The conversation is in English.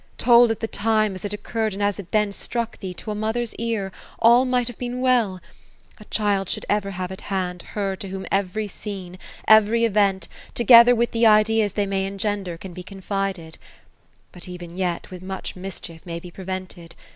Told at the time, as it occurred, and as it then struck thee, to a mother's ear, all might have been well. A child should ever have at hand, her, to whom every scene, every event, together with the ideas they may engender, can be confided. But even yet, much mischief may be prevented.